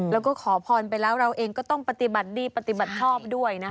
แล้วก็ขอพรไปแล้วเราเองก็ต้องปฏิบัติดีปฏิบัติชอบด้วยนะคะ